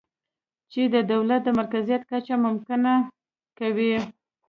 چې د دولت د مرکزیت کچه ممکنه کوي